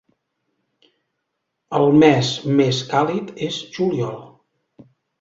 El mes més càlid és juliol.